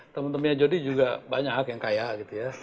temen temennya jodi juga banyak yang kaya gitu ya